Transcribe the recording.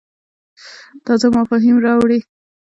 تازه مفاهیم راوړې.